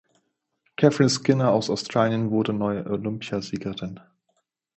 Catherine Skinner aus Australien wurde neue Olympiasiegerin.